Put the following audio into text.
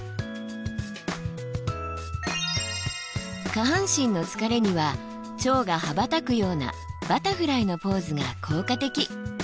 下半身の疲れにはチョウが羽ばたくようなバタフライのポーズが効果的。